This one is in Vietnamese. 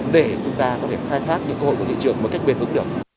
để chúng ta có thể khai thác những cơ hội của thị trường một cách bền vững được